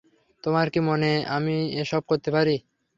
তোমার কি মনে আমি এসব করতে পারি?